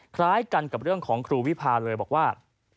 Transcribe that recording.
คล้ายกันกับเรื่องของครูวิพาเลยบอกว่า